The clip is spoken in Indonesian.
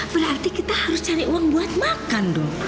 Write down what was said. berarti kita harus cari uang buat makan dong